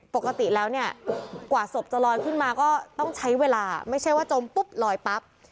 ปกติแล้วเนี่ยกว่าศพจะลอยขึ้นมาก็ต้องใช้เวลาไม่ใช่ว่าจมปุ๊บลอยปั๊บ